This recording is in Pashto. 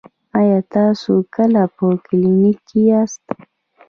ایا تاسو کله په کلینیک کې یاست؟